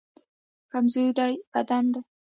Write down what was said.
کمزوري بد دی.